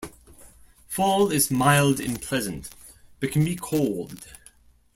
Fall is mild and pleasant, but can be cold.